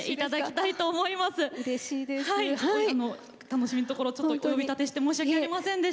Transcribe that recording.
楽しみのところちょっとお呼び立てして申し訳ありませんでした。